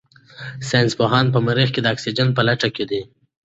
ساینس پوهان په مریخ کې د اکسیجن په لټه کې دي.